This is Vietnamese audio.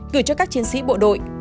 gửi cho các chiến sĩ bộ đội